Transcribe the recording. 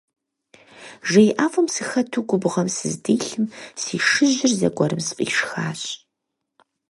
Жей ӀэфӀым сыхэту губгъуэм сыздилъым си шыжьыр зэгуэрым сфӀишхащ.